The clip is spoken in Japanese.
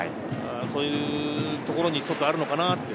そういうところに一つあるのかなって。